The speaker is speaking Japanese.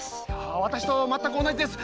私とまったく同じです！